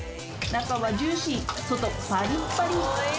中はジューシー外パリパリ！